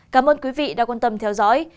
cảm ơn quý vị đã quan tâm theo dõi